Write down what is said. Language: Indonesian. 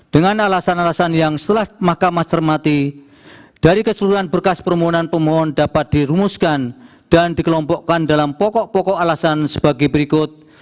dengan alasan alasan yang setelah mahkamah cermati dari keseluruhan berkas permohonan pemohon dapat dirumuskan dan dikelompokkan dalam pokok pokok alasan sebagai berikut